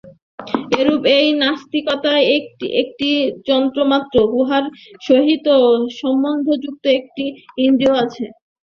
এইরূপ এই নাসিকাও একটি যন্ত্রমাত্র, উহার সহিত সম্বন্ধযুক্ত একটি ইন্দ্রিয় আছে।